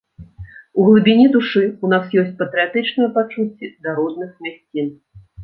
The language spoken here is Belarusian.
У глыбіні душы ў нас ёсць патрыятычныя пачуцці да родных мясцін.